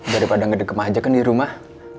daripada ngedegma aja kan di rumah